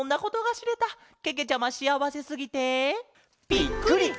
ぴっくり！